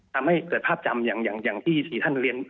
ทำให้เกิดภาพจำอย่างที่๔ท่านเรียน